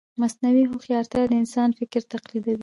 مصنوعي هوښیارتیا د انسان فکر تقلیدوي.